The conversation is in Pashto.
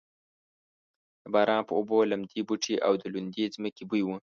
د باران په اوبو لمدې بوټې او د لوندې ځمکې بوی و.